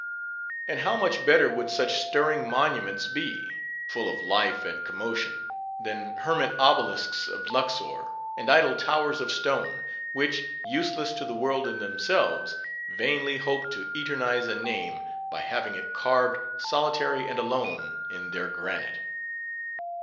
And how much better would such stirring monuments be; full of life and commotion; than hermit obelisks of Luxor, and idle towers of stone; which, useless to the world in themselves, vainly hope to eternize a name, by having it carved, solitary and alone, in their granite.